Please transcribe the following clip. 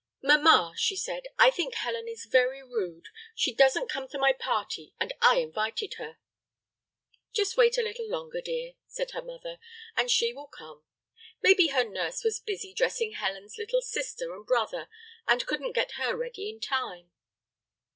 "Mama," she said, "I think Helen is very rude, she doesn't come to my party and I invited her!" [Illustration: EDITH WAITING FOR HELEN.] "Just wait a little longer, dear," said her mother, "and she will come. Maybe her nurse was busy dressing Helen's little sister and brother and couldn't get her ready in time."